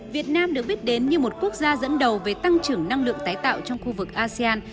việt nam được biết đến như một quốc gia dẫn đầu về tăng trưởng năng lượng tái tạo trong khu vực asean